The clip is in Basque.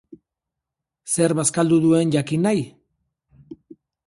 Zer bazkaldu duen jakin nahi?